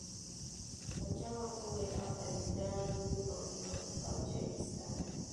باچا ورته وویل آفرین دا لور او نیمه پاچهي ستا ده.